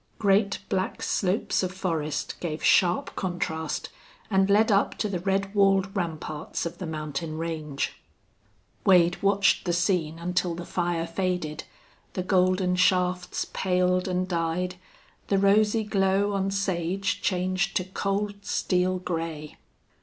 Great black slopes of forest gave sharp contrast, and led up to the red walled ramparts of the mountain range. Wade watched the scene until the fire faded, the golden shafts paled and died, the rosy glow on sage changed to cold steel gray.